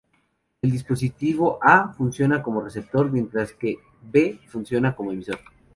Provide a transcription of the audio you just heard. El dispositivo A funciona como receptor, mientras que B funciona como emisor.